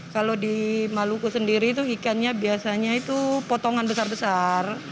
kalau di maluku sendiri itu ikannya biasanya itu potongan besar besar